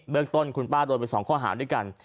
เรื่องต้นคุณป้าโดนไป๒ข้อหาด้วยกัน